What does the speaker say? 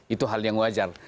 itu hal yang wajar